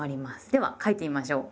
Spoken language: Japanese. では書いてみましょう。